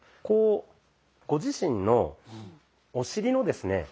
こうご自身のお尻のですね